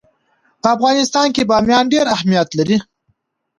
په افغانستان کې بامیان ډېر اهمیت لري.